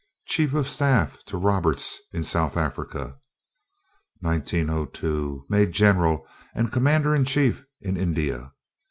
Chief of staff to Roberts in South Africa. 1902. Made general, and commander in chief in India.